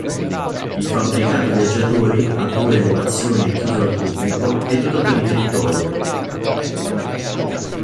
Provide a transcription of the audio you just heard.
Il fabbricato viaggiatori, a due elevazioni e chiuso al pubblico, è dotato di tettoia.